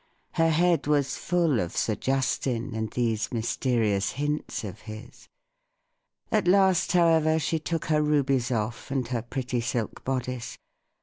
Her head was full of Sir Justin and these mysterious hints of his. At last, however, she took her rubies off, and her pretty silk bodice.